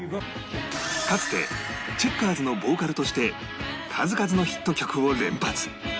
かつてチェッカーズのボーカルとして数々のヒット曲を連発